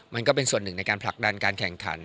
มันก็เป็นส่วนหนึ่งในการผลักดันการแข่งขัน